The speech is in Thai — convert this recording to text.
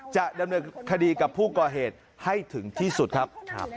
จะดำเนินคดีกับผู้ก่อเหตุให้ถึงที่สุดครับ